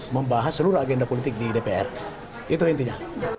membahas seluruh agenda politik di dpr itu intinya